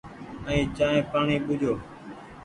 ائين چآنه پآڻيٚ ٻوجھيو۔